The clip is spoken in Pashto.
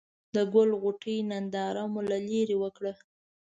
د ګل غونډۍ ننداره مو له ليرې وکړه.